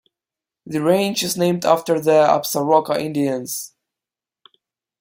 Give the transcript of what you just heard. The range is named after the Absaroka Indians.